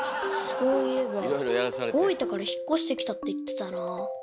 そういえば大分から引っ越してきたって言ってたなあ。